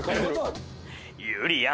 「ゆりやん！